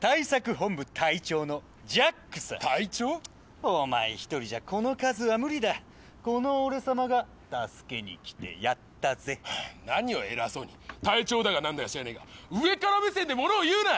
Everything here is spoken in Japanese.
本部隊長のジャックさ隊長？お前一人じゃこの数はムリだこの俺様が助けに来てやったぜ何を偉そうに隊長だか何だか知らねえが上から目線でものを言うな！